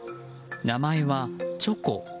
名前はチョコ。